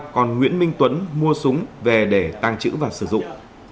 còn nguyễn minh tuấn mua súng về để tàng trữ và sử dụng